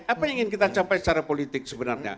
apa yang ingin kita capai secara politik sebenarnya